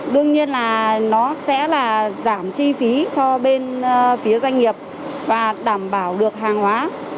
đương nhiên là nó sẽ là giảm chi phí cho bên phía doanh nghiệp và đảm bảo được hàng hóa